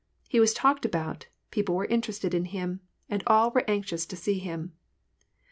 He was talked about, people were interested in him, and all were anx ious to see him.